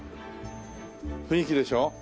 雰囲気いいでしょ。